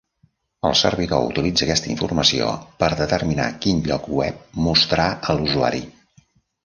El servidor utilitza aquesta informació per determinar quin lloc web mostrar a l'usuari.